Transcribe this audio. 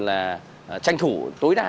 là tranh thủ tối đa